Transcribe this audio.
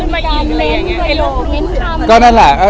มันก็สื่อไปตีความหนักขึ้นไปอีกเลย